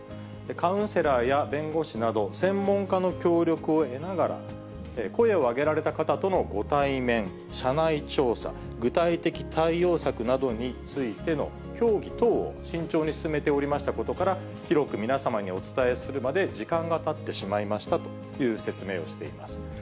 カウンセラーや弁護士など、専門家の協力を得ながら、声を上げられた方とのご対面、社内調査、具体的対応策などについての協議等を慎重に進めておりましたことから、広く皆様にお伝えするまで時間がたってしまいましたという説明をしています。